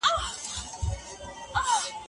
له غریبانو سره شفقت وکړئ.